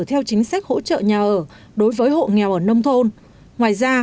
theo chính sách hỗ trợ nhà ở đối với hộ nghèo ở nông thôn